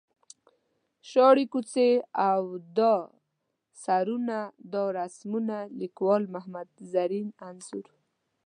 شاړې کوڅې او دا سرونه دا رسمونه ـ لیکوال محمد زرین انځور.